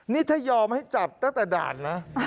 นี่ถ้ายอมให้จับตั้งแต่ด่านนะ